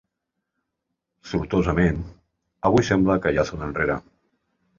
Sortosament, avui sembla que ja són enrere.